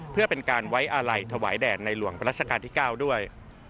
เพื่อเป็นการไว้อาลัยถวายแด่ในหลวงรัชกาลที่๙ด้วย